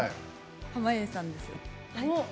濱家さんですはい。